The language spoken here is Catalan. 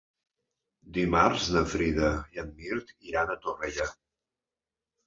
Dimarts na Frida i en Mirt iran a Torrella.